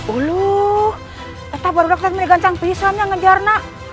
uluh kita baru baru tadi gancang pisangnya ngejar nak